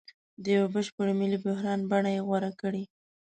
د یوه بشپړ ملي بحران بڼه یې غوره کړې.